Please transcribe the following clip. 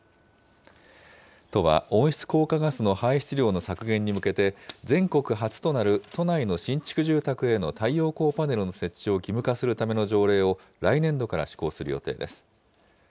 都は温室効果ガスの排出量の削減に向けて、全国初となる都内の新築住宅への太陽光パネルの設置を義務化するための条例を、来年度から施行する予定です。